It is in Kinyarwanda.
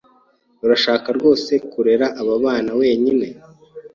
Urashaka rwose kurera aba bana wenyine?